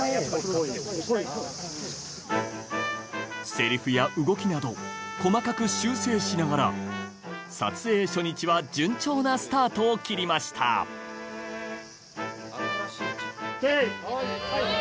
セリフや動きなど細かく修正しながら撮影初日は順調なスタートを切りましたＯＫ！